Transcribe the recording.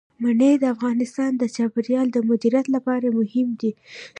منی د افغانستان د چاپیریال د مدیریت لپاره مهم دي.